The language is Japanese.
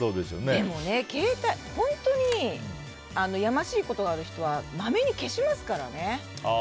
でも本当にやましいことがある人はまめに消しますからね。